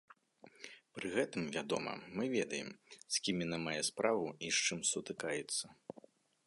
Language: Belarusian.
Пры гэтым, вядома, мы ведаем, з кім яна мае справу і з чым сутыкаецца.